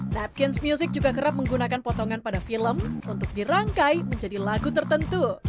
dapkins music juga kerap menggunakan potongan pada film untuk dirangkai menjadi lagu tertentu